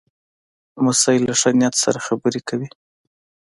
لمسی له ښه نیت سره خبرې کوي.